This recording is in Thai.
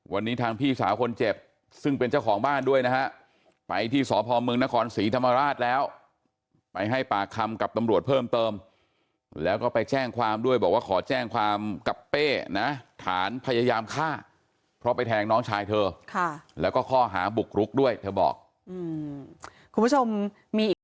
วันนี้ทางพี่สาวคนเจ็บซึ่งเป็นเจ้าของบ้านด้วยนะฮะไปที่สพเมืองนครศรีธรรมราชแล้วไปให้ปากคำกับตำรวจเพิ่มเติมแล้วก็ไปแจ้งความด้วยบอกว่าขอแจ้งความกับเป้นะฐานพยายามฆ่าเพราะไปแทงน้องชายเธอค่ะแล้วก็ข้อหาบุกรุกด้วยเธอบอกคุณผู้ชมมีอีก